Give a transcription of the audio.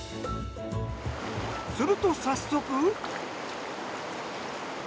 すると早速。